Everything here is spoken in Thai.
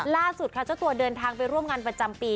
ล่าสุดค่ะเจ้าตัวเดินทางไปร่วมงานประจำปี